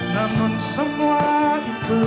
namun semua itu